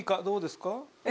どうですか？